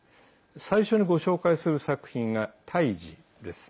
最初にご紹介する作品が「対峙」です。